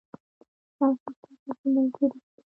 ستاسو سره به ملګري شي.